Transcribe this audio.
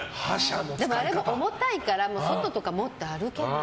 でも、あれはもう重たいから外とか持って歩けない。